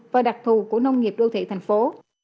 và đặc thù của nông nghiệp đô thị thành phố